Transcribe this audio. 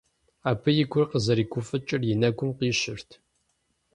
Абы и гур къызэригуфӀыкӀыр и нэгум къищырт.